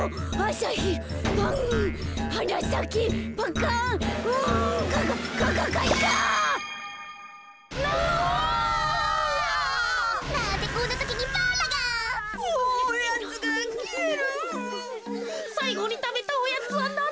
さいごにたべたおやつはなんだっけ。